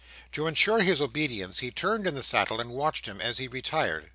To ensure his obedience, he turned in the saddle and watched him as he retired.